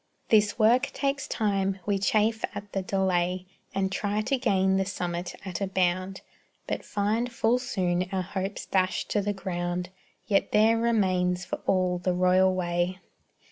This work takes time; we chafe at the delay And try to gain the summit at a bound, But find full soon our hopes dashed to the ground; Yet there remains for all the royal way.